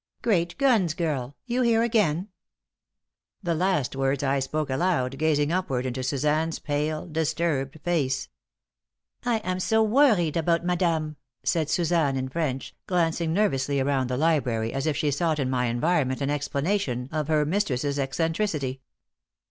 Great guns, girl! You here again?" The last words I spoke aloud, gazing upward into Suzanne's pale, disturbed face. "I am so worried about madame," said Suzanne in French, glancing nervously around the library, as if she sought in my environment an explanation of her mistress's eccentricity.